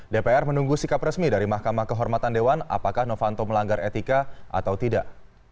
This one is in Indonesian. dpr menunggu sikap resmi dari mahkamah kehormatan dewan apakah novanto melanggar etika atau tidak